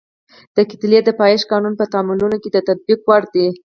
د کتلې د پایښت قانون په تعاملونو کې د تطبیق وړ دی.